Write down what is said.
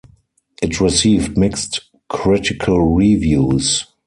It received mixed critical reviews.